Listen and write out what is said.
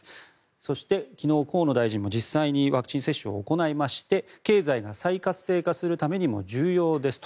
そして昨日、河野大臣も実際にワクチン接種を行いまして経済が再活性化するためにも重要ですと。